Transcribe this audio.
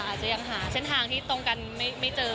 อาจจะยังหาเส้นทางที่ตรงกันไม่เจอ